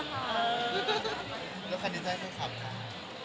แล้วใครดีใจให้คุณขับค่ะ